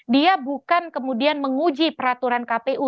dia bukan kemudian menguji peraturan kpu